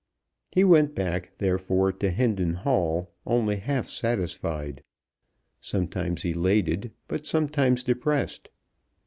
He went back, therefore, to Hendon Hall only half satisfied, sometimes elated, but sometimes depressed.